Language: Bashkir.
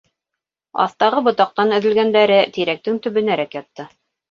Аҫтағы ботаҡтан өҙөлгәндәре тирәктең төбөнәрәк ятты.